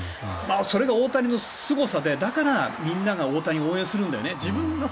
それが大谷のすごさでだから、みんなが大谷を応援するんだよね。